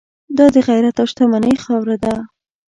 دا د غیرت او شتمنۍ خاوره ده.